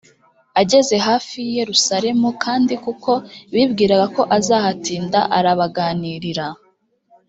ageze hafi y i yerusalemu kandi kuko bibwiraga ko azahatinda arabaganirira